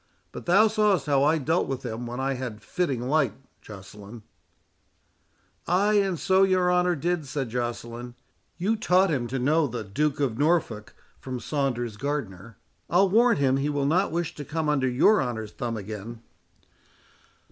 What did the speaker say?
But thou saw'st how I dealt with him when I had fitting light, Joceline." "Ay, and so your honour did," said Joceline. "You taught him to know the Duke of Norfolk, from Saunders Gardner. I'll warrant him he will not wish to come under your honour's thumb again."